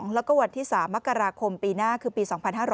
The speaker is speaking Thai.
แล้วก็วันที่๓มกราคมปีหน้าคือปี๒๕๖๐